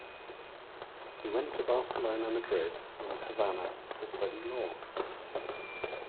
He went to Barcelona, Madrid, and Havana to study law.